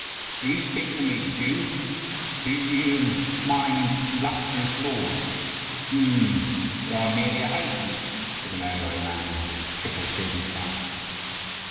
"Are you speaking to me, Jew?" "To you, illustrious lord." "Hm, but I am merely a heyduke," said the merry eyed man with the triple tiered moustache.